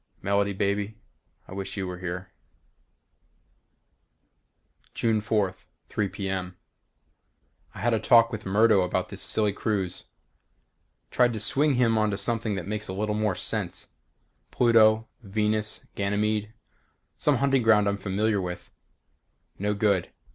Melody baby I wish you were here June 4th, 3:00 p. m. I had a talk with Murdo about this silly cruise. Tried to swing him onto something that makes a little more sense. Pluto, Venus, Ganymede some hunting ground I'm familiar with. No good.